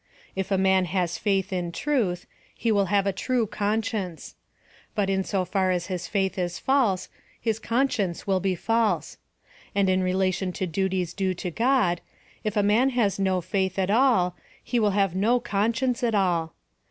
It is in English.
If a man has faith in truth, he will have a true conscience ; but in so fai as his faith is false, his conscience will be false; and in relation to duties due to God, if a man has no faith at all, he will have no conscience at all.